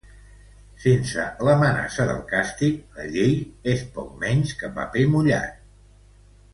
Sense l’amenaça del càstig, la llei és poc menys que paper mullat.